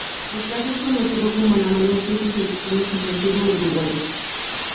El caso es conocido como la mayor crisis del sistema financiero uruguayo.